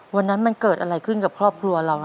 วันนั้นมันเกิดอะไรขึ้นกับครอบครัวเรา